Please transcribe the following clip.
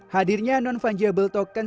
hadirnya non fungible token